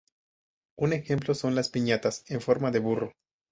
Un ejemplo son las piñatas en forma de burro.